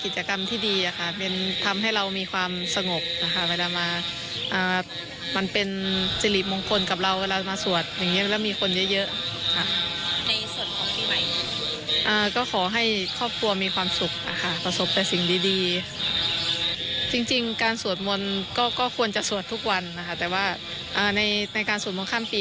จริงการสวดมนต์ก็ควรจะสวดทุกวันแต่ว่าในการสวดมนต์ข้ามปี